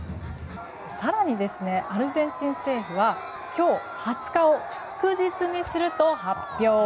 更に、アルゼンチン政府は今日２０日を祝日にすると発表。